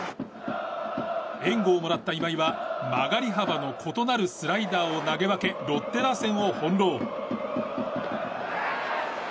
援護をもらった今井は曲がり幅の異なるスライダーを投げわけロッテ打線を翻弄。